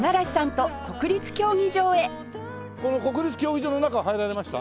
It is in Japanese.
この国立競技場の中は入られました？